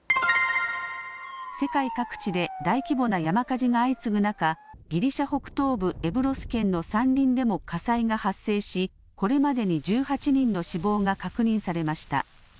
世界各地で大規模な山火事が相次ぐ中、ギリシャ北東部エブロス県の山林でも火災が発生し、これまでに１８人の死亡が確認されました。